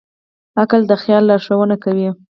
عقل د خیال لارښوونه کوي.